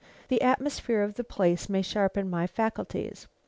"The atmosphere of the place may sharpen my faculties.